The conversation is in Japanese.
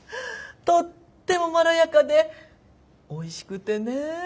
とってもまろやかでおいしくてねえ。